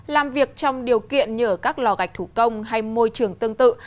làm việc trong điều kiện như ở các lo gạch thủ công hay môi trường tương tự